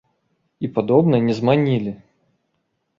І, падобна, не зманілі.